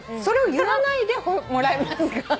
それを言わないでもらえますか？